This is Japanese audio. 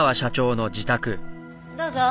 どうぞ。